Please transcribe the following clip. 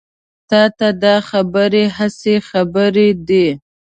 تا ته دا خبرې هسې خبرې دي.